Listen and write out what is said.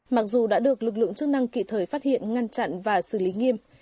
mặc dù đã được lực lượng chức năng kịp thời phát hiện ngăn chặn và xử lý nghiêm